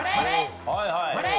はいはい。